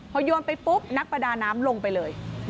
พอโยนไปปุ๊บนักประดาน้ำลงไปเลย